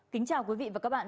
kính chào quý vị và các bạn